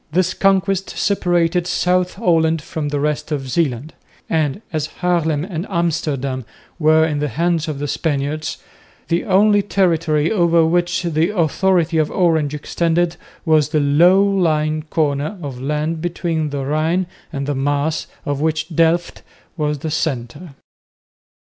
This conquest separated South Holland from the rest of Zeeland; and, as Haarlem and Amsterdam were in the hands of the Spaniards, the only territory over which the authority of Orange extended was the low lying corner of land between the Rhine and the Maas, of which Delft was the centre.